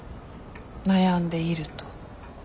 悩んでいると。